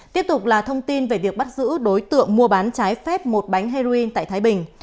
tiếp tục là thông tin về việc bắt giữ đối tượng mua bán trái phép một bánh heroin tại thái bình